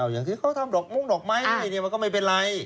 อย่างที่เขาทำดอกมุ้งดอกไม้ให้มันก็ไม่เป็นไร